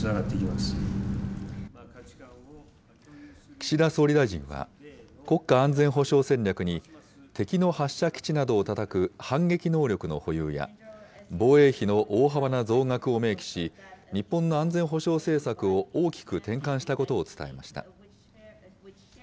岸田総理大臣は国家安全保障戦略に、敵の発射基地などをたたく反撃能力の保有や、防衛費の大幅な増額を明記し、日本の安全保障政策を大きく転換したことを伝えました。